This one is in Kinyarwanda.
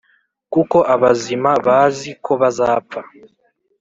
kuko abazima bazi ko bazapfa